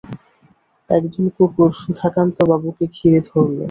একদল কুকুর সুধাকান্তবাবুকে ঘিরে ধরল।